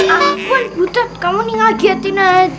afwan butet kamu nih ngagetin aja